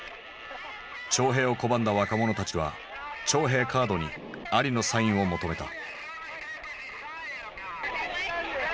徴兵を拒んだ若者たちは徴兵カードにアリのサインを求めた。